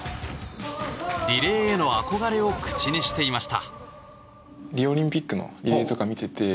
リレーへの憧れを口にしていました。